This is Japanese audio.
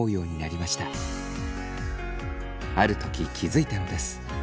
ある時気付いたのです。